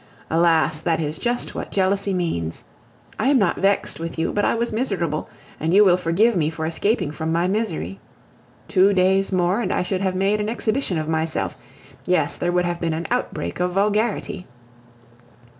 Alas! that is just what jealousy means. I am not vexed with you, but I was miserable, and you will forgive me for escaping from my misery. Two days more, and I should have made an exhibition of myself; yes, there would have been an outbreak of vulgarity.